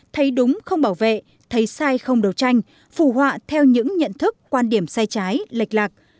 thấy đúng không bảo vệ thấy sai không đấu tranh phủ họa theo những nhận thức quan điểm sai trái lệch lạc